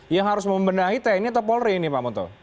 yang harus membenahi tni atau polri ini pak munto